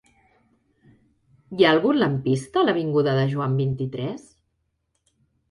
Hi ha algun lampista a l'avinguda de Joan vint-i-tres?